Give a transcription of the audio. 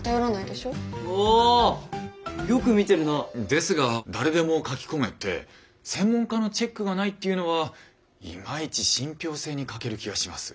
ですが誰でも書き込めて専門家のチェックがないっていうのはいまいち信ぴょう性に欠ける気がします。